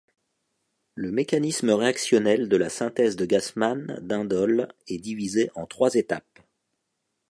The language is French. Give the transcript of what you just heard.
Le mécanisme réactionnel de la synthèse de Gassman d'indoles est divisé en trois étapes.